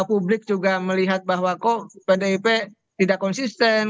publik juga melihat bahwa kok pdip tidak konsisten